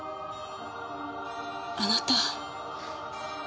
あなた。